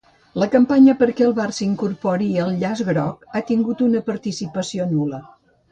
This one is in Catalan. La campanya perquè el Barça incorpori el llaç groc ha tingut una participació nul·la